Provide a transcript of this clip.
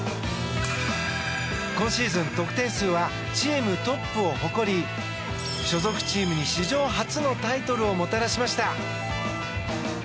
今シーズン得点数はチームトップを誇り所属チームに史上初のタイトルをもたらしました。